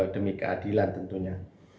demi keadilan tentunya